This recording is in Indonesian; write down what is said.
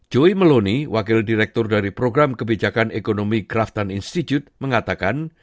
joy meloni wakil direktur dari program kebijakan ekonomi grafttan institute mengatakan